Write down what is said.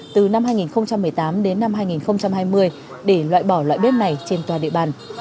từ năm hai nghìn một mươi tám đến năm hai nghìn hai mươi để loại bỏ loại bếp này trên toàn địa bàn